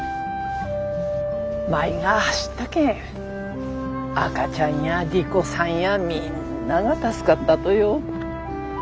舞が走ったけん赤ちゃんや莉子さんやみんなが助かったとよ。